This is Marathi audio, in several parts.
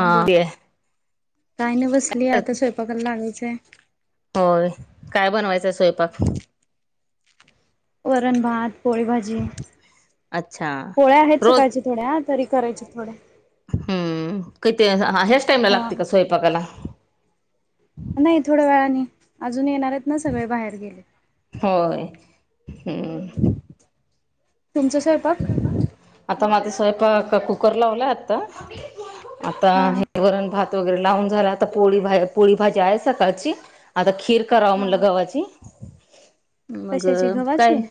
हाके काही नाही बसली आता स्वयंपाकाला लागायचंय होय काय बनवायचंय स्वयंपाक वरण भात पोळी भाजी अच्छा पोळ्या आहेत रोज सकाळची थोड्यात तरी करायचे थोडे हम्म काही ते ह्याच टाइमला हा लागते का स्वयंपाकायला नाही थोड्या वेळाने अजून येणार ना सगळे बाहेर गेले होय हम्म तुमचा स्वयपाक आता माझा कुकर लावला आता आता हा हिररण भात वगैरे लावून झाला आता पोळीोळी भाजी आहे सकाळची आता खीर कराव हा म्हणलं गव्हाची मग कशाची काय गव्हाची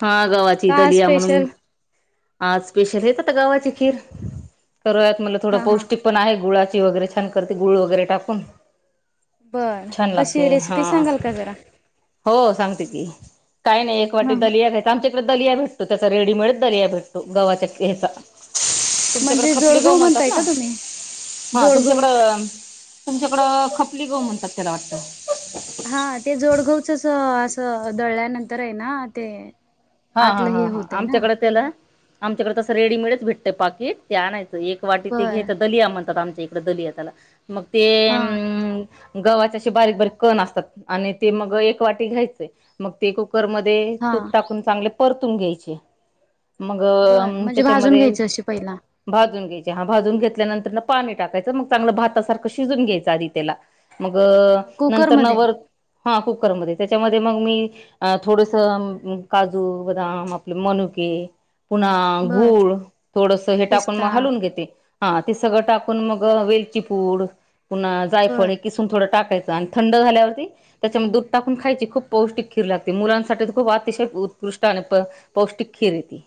हा गावाची का दलिया म्हणून स्पेशल आज स्पेशल येत आता गावाची खीर करूयात मला थोडं हा हा पौष्टिक पण आहे गुळा वगैरे छान करते गुळ वगैरे टाकून बर छान कशी लागते हा रेसिपी सांगाल का जरा हो सांगते की काय नाही एक हा वाटी दलिया घ्यायच आमच्या इकडे दलि भेटतो त्याचा रेडीमेडच दलिया भेटतो गव्हाच्या हचा तुमच्याकडे म्हणजे खपली गाव जोडगव म्हणतात म्हणताय ना का तुम्ही हा जोडगव तुमच्याकडं तुमच्याकडं खपली गो म्हणतात त्याला वाटत हा ते जोडगावच अस असं दळल्यानंतर आहे ना ते हा हा आतलं हे हा हा होतय ना आमच्याकडे तेल आमच्याकडे तं रेडीमेडच भेटतं पाकिट ते आणायचं एक वाटी ते बर घेतं दलिया म्हणतात आमच्या इकड दलया त्याला मग ते हा गव्हाचेे बारीक बारीक कण असतात आणि ते मग एक वाटी घ्यायचेंय मग ते कर मध्ये हा तूप टाकून चांगले परतून घ्यायचे मग बर म्हणजे भाजून त्याच्यामध्ये घ्यायचं अशी पहिला भाजून घ्यायची चहा भाजून घेतल्यानंतर न पाणी टाकायचं मग चांगलं भातासारखं शिजून घ्यायं आधी त्याला मग हा नंतर कुकरमध्ये नवर हा कुकरमध्ये त्या त्याच्यामध्ये मग मी थोडस काजू बदाम आपले मनुके पुन्हा बर गूळ थोडस हे टाकण म पिस्ता हालून घेते हा ते सगळं टाकून मग वेलचीपूड पुन्हा जायफळ बर हे किसून थोडं टाकायचं आणि थंड झाल्यावरती त्याच्यामुळे दूध टाकून खायची खूप पौष्टिक खीर लागते मुलांसाठी खूप अतिशय उत्कृष्ट आणि प पौष्टिक खीर य ती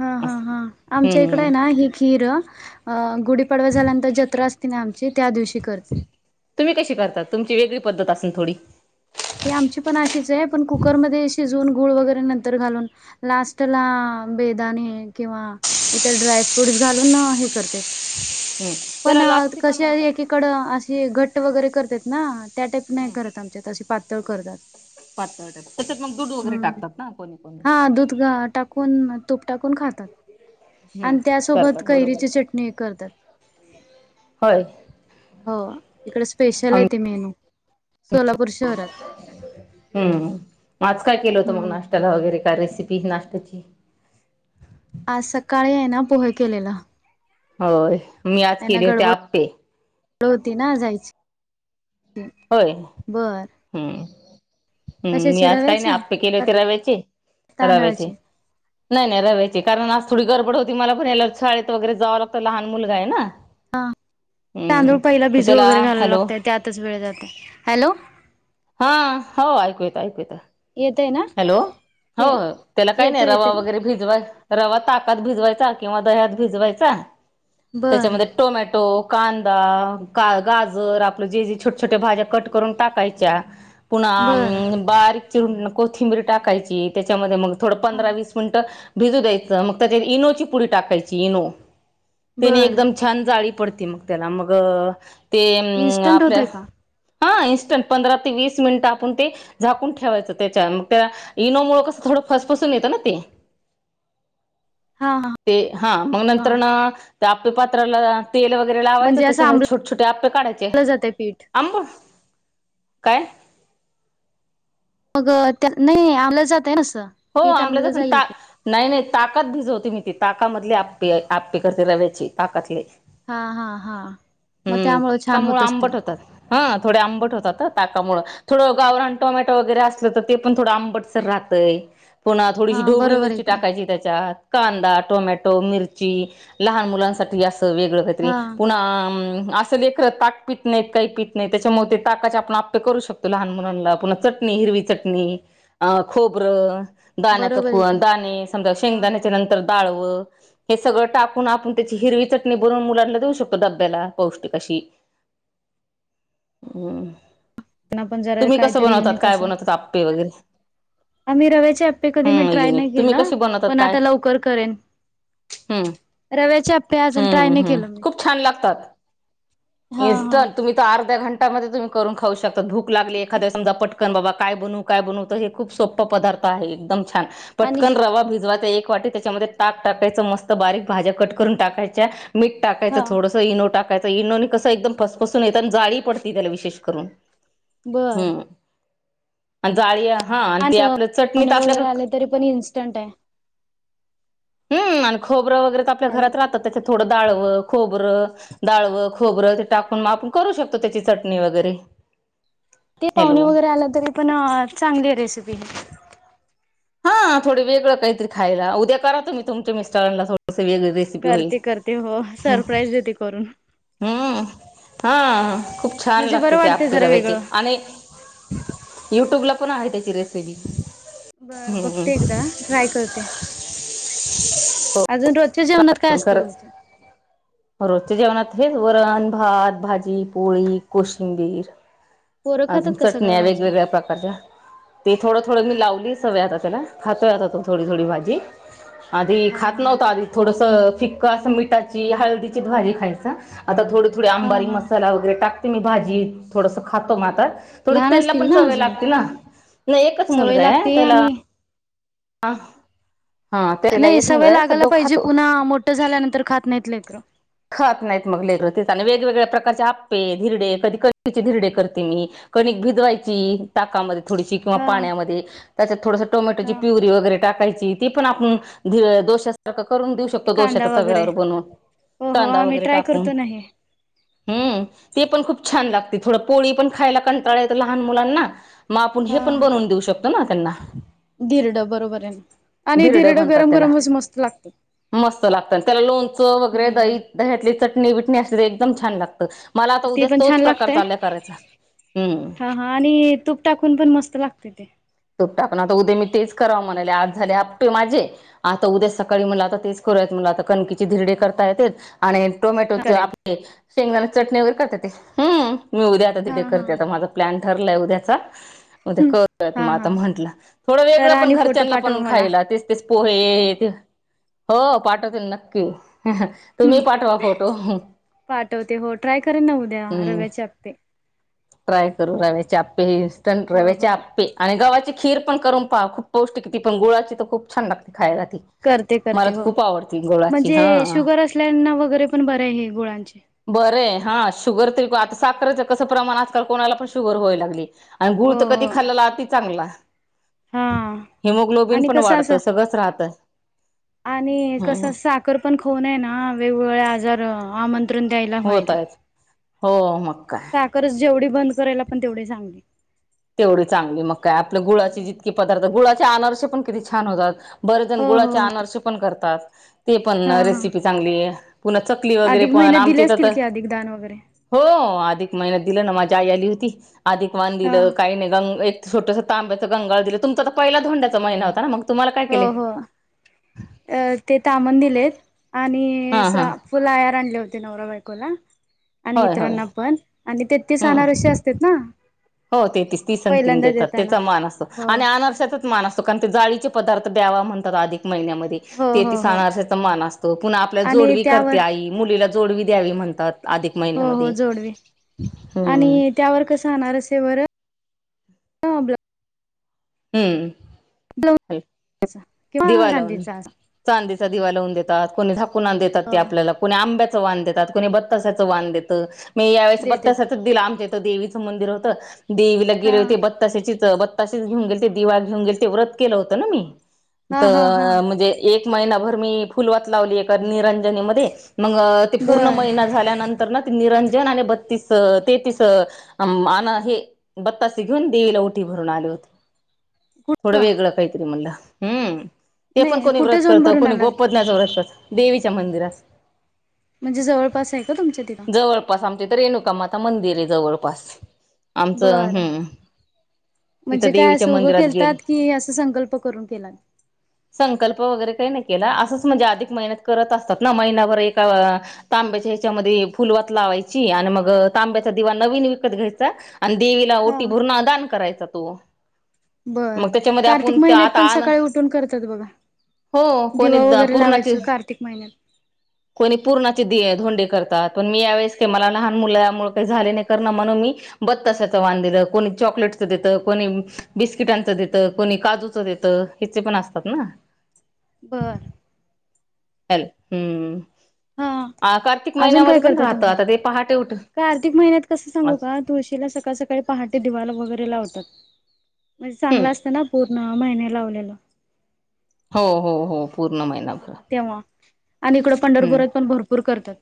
हा हा हा आमच्या इकड आहे ना ही खीर अ गुढीपाडवा झाल्यानंतर जत्रा अस ना आमची त्या दिवशी करते तुम्ही कशी करता तुमची वेगळी पद्धत असून थोडी घा घा हम्म पण त्याला लापसी क पण म्हणतात वगैरे करतात ना त्या टाईप नाही हम्म करत आमच्या ् पातळ टाक त्याच्यात मग दूध वगैरे टाकतात ना कोणी कोणी हा दध टा कोण तो टाकून खातात हम्म आणि करतात त्यासोबत बरोबर कैरीची चटणी करतात होय हो इकडे स्पेशल आहे आम ते मेनू सोलापूर शहरात हम्म आज काय केलं होतं मग हम्म नाष्ट्त्याला वगैरे रेसिपी नाष्ट्ताची आज सकाळी आहे ना पोहे केलेला होय मी आज केले होते आपपे र होती ना जायची होय बर हम्म हम्म मी कशाची आज काही नाही रव्याची आपे केले का होते रव्याचे, तांदळाची रव्याचे. नाही नाही रव्याचे कारण आज थोडी गरबड होती, मला पण याला शाळेत वगैरे जावं लागतं, लहान मुलगाय ना. हा हम्म तांदूळ पहिला तर भीजू त्याला वगैरे घालायला हॅलो लागतय, त्यातच वेळ हॅलो. हा हो ऐकू येत ऐकू येत. येतय ना हॅलो हो हे त्याला काय नाही, येतो रवा येतोय वगैरे भिजवाय रवा ताकात भिजवायचा किंवा दह्यात भिजवायचा बर त्याच्यामध्ये टोमॅटो कांदा का गाजर आपलं जे जे छोट्या छोट्या भाज्या कट करून टाकायच्या. पुन बर बारीक चिरून कोथिंबिरी टाकायची, त्याच्यामध्ये मग थोडं हा पंधरा वीस मिनिटं भिजू द्यायचं मग त्याच्यात इनोची पुरी टाकायची, इनो त्याने बर एकदम छान जाळी पडती मग त्याला मग ते अ इन्स्टंट आपल्या होतय का हा इन्स्टंट पंधरा ते वीस मिनिट, आपण ते झाकून ठेवायचं. त्या मग त्या इनो मुळ कस, थोडं फसफसून येतं ना ते. हा हा ते हा मग हा नंतर ना, त्या आपल्या पात्राला तेल वगैरे लावायचं, म्हणजे असं त्याच्यामध्ये आंबल छोटे छोटे आपे काढयचे. आंबलं जातय पीठ आंबळ काय? मग त्या नाही आमल्या जातना, हो आमल्या जात नाही नाही ताकद भिजवते मी. ती ताकामधली आपी आपपी करते, रव्याची ताकातली, हा हा हा. मग हम्म त्यामुळे छान होत ताकामुळेळं असतील आंबट होतात, हं थोडे आंबट होतात, ताकामुळेळं, थोडं हा गावरान टोमॅटो वगरे असल तर ते, पणथोडं अंबटसर राहतय. पुन्हा थोडीशी हा ढोबळी बरोबर आहे मिरची की टाकायची त्याच्यात. कांदा, टोमॅटो, मिरची लहान मुलांसाठी. अस वेगळ काहीरी हा पुन्हा असं लेकरं ताक पित नाहीत, काही पीत नाही, त्याच्यामुळे ते ताकाचे आपण आपे करू शकतो, लहान मुलांना पुन्हा चटणी हिरवी चटणी अ खोबरं दाण्याचा बरोबर खु आहे की दाणे समजा हा हा शेंगदाण्याच्या नंतर डळ हे सगळं टाकून आपण त्याची हिरवी चटणी बनून मुलांना देऊ शकतो, डब्याला पौष्टिक अशी. ह [inaudible] हम्म त्यांना पण जरा तुम्ही कसं काहीतरी बनवतात, काय बनवतात, आपे वगैरे आ मी रव्याचे अपे कधी मी हम्म ट्राय नाही युनिक तुम्ही केला, कशी बनवतात पण काय? आता लवकर करेन. हम्म रव्याचे अपे अजून ट्राय हम्म नाही केलं मी. हा हा इस्टंट तुम्ही तर अर्ध्या घंटा मध्ये तुम्ही करून खाऊ शकता, भूख लागली एखाद्यास समजा पटकन बाबा काय बनूय बनू त हे खूप सोप्प पद्थ आहे एकदम छान आणि पटकन रवा भिजवाचा, एक वाट त्याच्यामध्ये ताक टाकायच, मस्त बारीक भाज्या कट करून टाकायच्या मी हा टाकायंच, थोडंस इनो टाकायं इनोनी कसं एकदम फसफसून येत, आणि जाळी पडती त्याला विशेष करून. बर. हम्म आणि आ हा आणि ते आपलं चटणी सोने तर वगैरे आले आपल्याकडे तरी पण इन्स्टंट आहे हम्म आणि खोबरं वगैरे तर आपल्या हॅलो घरात राहतात त्याच्या थोडं डाळवं खोबरं डाळवं खोबरं ते टाकूनग आपण करू शकतो त्याची चटणी वगैरे ते पाहुणे हॅलो वगैरे आलं तरी पण चांगली आहे रेसिपी हा थोडं वेगळं काहीतरी खयला उद्या करा तो मी तुमच्या मिस्टॉरंटला थो तवी अगदी रेसिपी होई करते करते हो सरप्राईज देते करून हम्म हा खूप छान म्हणजे लागते बरं ते वाटते आप जरा कराव्याची वेगळं. आणि युट्यूब ला पण आहे त्याची रेसिपी बर हम्म बघते एकदा ट्राय करते हो अजून रज च्या जेवणत काय असतं तुमचं ना हेच वरण भात भाजी पोळी कोशिंबीर पोरं खातात अजून का सगळ्या चटण्या भाज्या? वेगवेगळ्या प्रकारच्या तेच थोडं थोडं मी लावली सव्या आता त्याला हातोयातो थोडी थोडी भाजी आधी हा खात हा. नव्हत आधी असं फिक्क असं मिठाची हळदीची भाजी खायची थो हा आंबारी हा मसाला वगैरे टाकते मी भाजी थोडंसं खातो मग आता थोडी लहान तेलला असतील पण ना सवय अजून लागते ना नाही एकच सवय मुलगा आहे लागते त्याला आणि ह नाही सवय लागायला पाहिजे पुन्हा मोठ झाल्यानंतर खात नाहीेतलंकर खात नाहीत मग लतीच आणि वेगवेगळे प्रकारचे आपे धिरडे कधी कचे धरडे करते मी कणिक भिजवायची ताकामध्ये थोडीशी किंवा हा पाण्यामध्ये त्याच्यात थोडसं टोमॅटोची हा व टण आप करून देऊ शकतो कांदा दोशाच्या वगैरे तव्यावर बनवून हो हो कांदा आम्ही वगैरे ट्राय टाकून करतो ना हे. हम्म ते पण खूप छान लागत त थोड पोळी पण खायला कंटाळ येत लहान मुलांना मग आपण हे पण बनवून देऊ शकतो ना त्यांना धिरडं बरोबर आहे ना आणि धिरडं म्हणतात गरम त्याला गरमच मस्त लागत मस्त लागतं त्याला लोणचं वगैरे दही दह्यातली चटणी बिटणी असली तर एकदम छान लागत मला आता ते उद्या पण तोच छान प्रकार लागतय चाललाय करायचा हम्म हा हा आणि तूप टाकून पण मस्त लागते ते तो टाकण तर उद्या मी तेच रा म्हणाले आज झाले आप माझे आता उद्या सकाळी म्ह आता तेच करूयत आता कणकीची धरडे करत य आणि टोमॅटो करेन. आप शेंगदा चटणी वगैरे करते ते हम् मी उद्या आता हा तिथे हा. करते आता माझा प्लॅन ठरलाय उद्याचा मग ते करत हा मग आता हा म्हंटलं थोडं वेगळं करा आणि फोटो अडचंला पाठवा पण मला. खायला तेच तेच पोहे ते हो पाठवते नक्की तुम्ही पाठवा फोटो पाठवते हो ट्राय करेन ना उद्या रव्याचे हपपे ट्राय करू रव्याचे आपपे हे इन्स्टंट हो रव्याचे हो. आपपे आणि गव्हाची खीर पण करून पाहा खूप पौष्टिकी पण गुळाची तर खूप छान लागते खायला त करते मला करते हो खूप आवडती गोळाची हा म्हणजे शुगर असल्याना वगैरे पण बरे आहे हे गुळांचे. बर आहे हा शुगर तरी हा. आता साखरच कसं प्रमाण कोणाला पण शुगर व्हाय लागली आणि गुळ हो तर हो कधी खाल्ला ती चांगला. हा हिमोग्लोबिन आणि पण कसं असं वाढतं सगळंच राहतं. आणि कस हम्म साखर पण खाऊनय ना वेगवेगळे्या आजार आमंत्रण द्यायला होत व्हायल. आहेत हो मग. काय साखरच जेवढी बंद करायला पण तेवढी सांगली. तेवढी चांगली मग काय आपल्या गुळाची हम्म. जितकीे पदार्थ गुळाचे अनारसे पण किती छान होतात. बरे जण हो हो गुळाचे होत अनारसे पण करतात. ते पण हा हा. रेसिपी चांगली आहे. पुन्हा चकली वगैरे अधिक पण महिन्यात आमची दिले इथ असतील तर की अधिक दान वगैरे हो आधिक महिनत दि ना माझा आई आली होती अधिक वान हा दिलं. काही नाही गंग एक छोटंसं तांब्याच गंगा दिलं तुमचा तर पहिला ोंड्याचा महिना होता ना मग. तुम्हाला काय हो केले हो अ ते तामन दिलेस. आणि हा हा सा फुल आयार आणले होते नवरा बायकोला आणि होय होय इतरांना पण आणि ते तेचणार हम्म अे असते ना. हो तेतीच ती स तन पहिल्यांदा देतात देताना त्याचा मान असतो हो आणि आनर्शातच मान असतो कारण जाळी. पदार्थ द्यावा म्हणतात आधिक. महिन्या म हो हो ते हो सणार मन असतो पुन्हा आपल्याला आणि जोडवी करते त्यावर आई मुली. जोडवी द्यावी म्हणतात. अधिक हो हो महिन्यामध्ये जोडवी हम्म आणि त्यावर कस होणारे वर ह बला. हम्म किंवा दिवा लावून चांदीचा चांदी. दिवा लावून देतात कोणी झाकून देतात हो ते आपल्याला को आंब्या आंब्याचा वाण तर कोणी बतासे चा वाण देतात मी यावर्षी देते भत्त्याचा वाण दिला. देवीचं मंदिर होत देवीला हा गेले होते बताशेच बताेऊ गे. दि घेऊन गे वत के होत म हा हा हा म्हणजे. महिनाभर मी फुलवात लावली निरंज. पण म बर नि. जने बत्तीस तेतीस आन हे बत्तास घेऊन देवीला ओटी भरून आले थोडं कुठं वेगळ कायत ररी मला हम्म ते पण नाही कोणी कुठे व्रत जाऊन करत भरून कोणी आलात गोपजञचं व्रत करत देवीच्या मंदिरात. म्हणजे जवळपास एक. जवळपास आमच्या तर रेणुकामाता मंदिर आहे जवळपास. आमचं बरं हम्म. तिथं म्हणजे काय देवीच्या असं उघं मंदिरात गेले खळतात की असा संकल्प करून केला. संकल्प वगैरे. नाही के अस म्हणजे अधिक मे करत असतात ना महिभर एका तांब्याच्या ह्याच्यामध्ये. फुलवत लावायची आणि मग तांब्याचा दिवा नवीन विकत घ्यायचा आणि देवीला हा. ओटी भुरणा दान. करायचा तो. बर मग त्याच्यामध्ये कार्तिक आपण महिन्यात आता पण आण सकाळी उठून करतात बघा. हो कोणी दिवा वगैरे लावायच पूर्णाची कार्तिक महिन्यात. कोणी पूर्णाची दि ोंडी करतात पण मी यावेेळेस मला लहान मुलामुळे काही झाले नाही कर म्हणून मी. ब को चकलेट द बस्टच द को काजू. ते तर हिचे पण असतात ना. बर. हम्म हा कार्तिक अजून काय महिन्यामध्ये पण करता राहत तुमच्या? आता ते पहाटे. उठ कार्तिक महिन्यात कसं सांगू का हम्म तुळशीला सकाळ सकाळी पहाटे दिवाला वगैरे लावतात. म्हणजे चांगला असत ना पूर्ण महिने लावलेलं हो हो हो पूर्ण महिनाभर. हा तेव्हा आणि इकडं हम्म पंढरपुरात पण भरपूर करतात.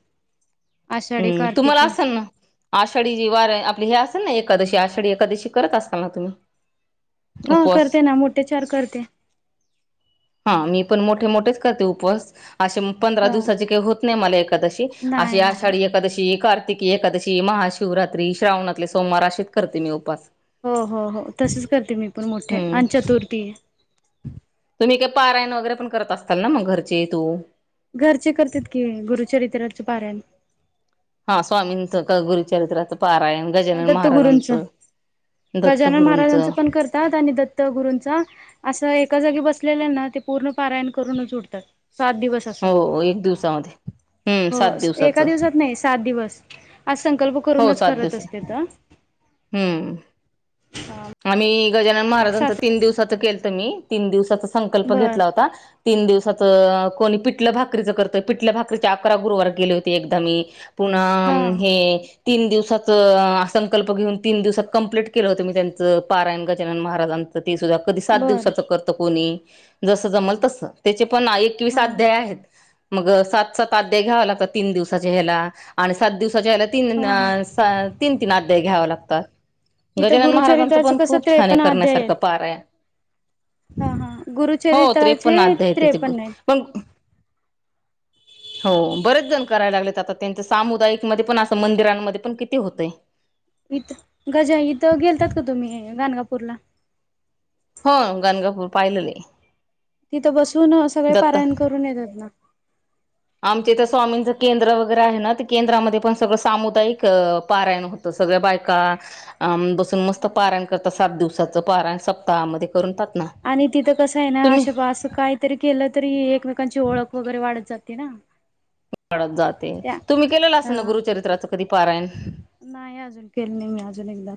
आषाढी हम् तुम्हाला कार्तिकी असेल ना आषाढी जी वारा आपली हे अस एकादशी आषाढी एकादशी करत असता ना तुम्ही हा उपवास करते ना मोठे चार करते मोठ मोठे उप पंरा हा. दिवसा का होत नाही म नाही ए नाही शी कार्तिकी एकादशी महाशिवरात्री श्रावणातले सोमवार असशीच करते मी उपास हो हो हो तसेच करते मी पण मोठे हम्म आणि चतुर्थी तुम्ही काय पारायण वगैरे पण करत असताल ना मग घरचे तू घरचे करते की गुरुचरित्राच पाारयण हा स्वामींच गुरुचरित्रा गजानन दत्त गुरूंचं महाराजांचं गजानन महाराजांच दत्तगुरूंचं पण करतात आणि दत्त गुरूंचा असं एका जागी बस असलेल्यांना ते पूर्ण पारायण करूनच उडतात सात दिवस असा हो एक दिवसामध्ये हम्म हो सात एका दिवसाचं दिवसात नाही सात दिवस आज संकल्प हो करूनच सात करत दिवस असते तर हम्म आम्ही गजानन मग महाराजांच सात तीन दिवसाच केलत मी तीन दिवसाचा संकल्प बर घेतला होता तीन दिवसाचं कोणी पिटल भाकरीच करतंय पिटल्या भाकरीच्या अकरा गुरुवार गेले होते एकदा मी पुन्हा हा हे तीन दिवसच संकल्प घेऊन तीन दिवसात कंप्लीट केलं होतं मी त्यां पारायण गजानन महाराजांचं ते सुद्धा कधी सात बर दिवसाचं करत कोणी जस जमल तस त्याचे पण एकवीस हा अध्याय आहेत मग सात सातध्याय घ्याव लागत तीन दिवसाचे ह्याला आणि सात दिवस सजयला तीन हा हा तीन तीन अध्याय घ्याव लागतात इथं गजानन महाराजांचं गुरुचरित्राचं पण कसं खूप छान आहे त्रेपण अध्याय करण्यासारखं पारायण हा हा हो गुरुचरित्राचे त्रेपन्न अध्याय आहे त्याचे त्रेपन्न पण [inaudible] हो बरेच जण करायला लागलेत आता त्यांच सामुदायिकमध्ये पण असं मंदिरांमध्ये पण किती होतय इथं गज इथं गेलतात का तुम्ही गणगापूरला हो गणगापूर पाहिलेले तिथं बसून सगळे पारायण करून येतात ना आमच्या इथ स्वामींचं केंद्र वगैरे आहे ना ते केंद्रामध्ये पण सगळं सामुदायिक पारायण होत सगळ्या बायका बसून मस्त हा हा. पाराण करतात सात दिवसाचं पाराण सप्ताहामध्ये करून तात ना आणि तिथं कसं आहे ना तुम्ही अशं असं काहीतरी केलं तरी एकमेकांची ओळख वगैरे वाढत जात ना जाते त्या तुम्ही केलेलं असं ना हा गुरुचरित्राचं कधी पारायण नाही अजून केले नाही मी अजून एकदा